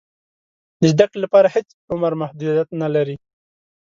د زده کړې لپاره هېڅ عمر محدودیت نه لري.